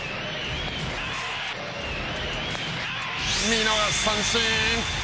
見逃し三振！